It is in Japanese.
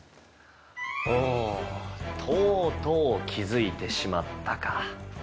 おとうとう気付いてしまったか。